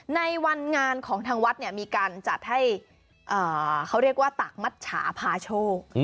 ในวันงานของทางวัดเนี่ยมีการจัดให้เขาเรียกว่าตากมัชชาพาโชค